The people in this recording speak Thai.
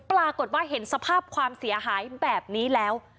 ปรากฏว่าเห็นสภาพความเสียหายแบบนี้แล้ว